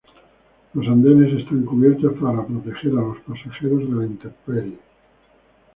Los andenes están cubiertos para proteger a los pasajeros de la intemperie.